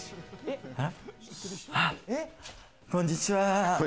こんにちは。